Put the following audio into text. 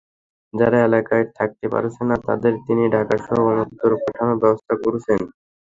যাঁরা এলাকায় থাকতে পারছেন না, তাঁদের তিনি ঢাকাসহ অন্যত্র পাঠানোর ব্যবস্থা করছেন।